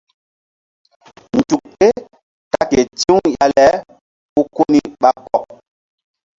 Nzuk ké ta ke ti̧w ya le ku koni ɓa kɔk.